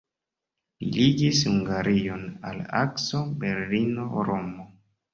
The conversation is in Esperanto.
Li ligis Hungarion al akso Berlino-Romo.